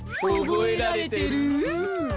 覚えられてるぅ。